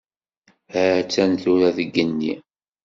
Ha-tt-an tura deg yigenni.